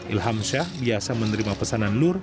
ilham shah biasa menerima pesanan nur